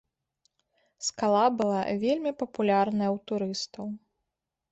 Скала была вельмі папулярная ў турыстаў.